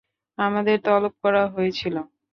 আমাদের তলব করা হয়েছিল।